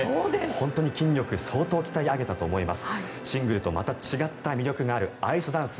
本当に筋力相当鍛え上げたと思います。